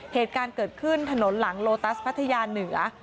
เหตุการณ์เกิดขึ้นถนนหลังโลตัสพัทยาเหนือ